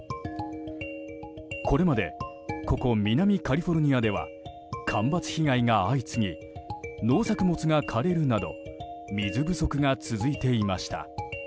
これまでここ南カリフォルニアでは干ばつ被害が相次ぎ農作物が枯れるなど水不足が続いていました。